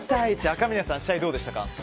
アカミネさん試合どうでしたか？